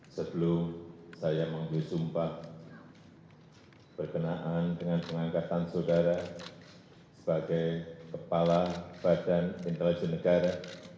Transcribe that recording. sebelum saya mengambil sumpah berkenaan dengan pengangkatan saudara sebagai kepala badan intelijen negara